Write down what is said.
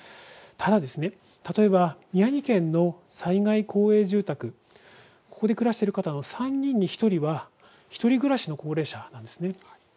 ただ、例えば宮城県の災害公営住宅ここで暮らしている方の３人に１人は１人暮らしの高齢者なんです。